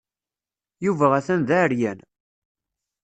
Yuba atan d aɛeryan.